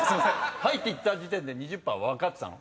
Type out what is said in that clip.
「はい」って言った時点で「２０％」分かってたの？